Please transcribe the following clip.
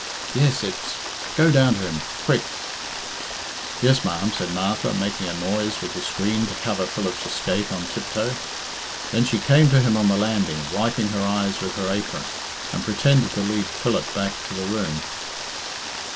Yes, it's ; Go down to him quick " "Yes, ma'am," said Martha, making a noise with the screen to cover Philip's escape on tiptoe. Then she came to him on the landing, wiping her eyes with her apron, and pretended to lead Philip back to the room.